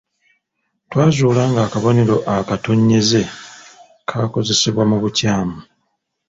Twazuula ng'akabonero akatonnyeze kaakozesebwa mu bukyamu.